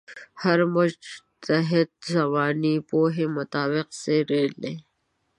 هر مجتهد زمانې پوهې مطابق څېړلې.